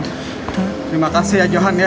terima kasih ya johan ya